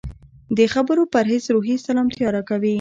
د خبرو پرهېز روحي سلامتیا راکوي.